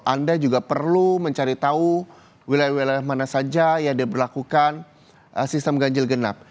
anda juga perlu mencari tahu wilayah wilayah mana saja yang diberlakukan sistem ganjil genap